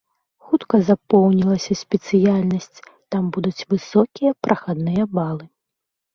Хутка запоўнілася спецыяльнасць, там будуць высокія прахадныя балы.